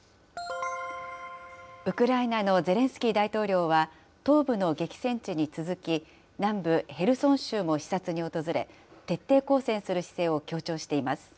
ウクライナのゼレンスキー大統領は、東部の激戦地に続き、南部ヘルソン州も視察に訪れ、徹底抗戦する姿勢を強調しています。